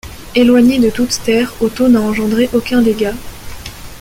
Éloigné de toute terre, Otto n'a engendré aucun dégât.